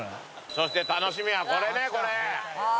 そして楽しみはこれねこれ。